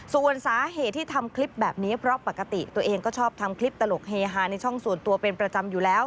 ส่วนสาเหตุที่ทำคลิปแบบนี้เพราะปกติตัวเองก็ชอบทำคลิปตลกเฮฮาในช่องส่วนตัวเป็นประจำอยู่แล้ว